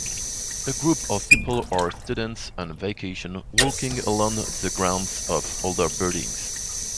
A group of people or students on vacation walking alone the grounds of older buildings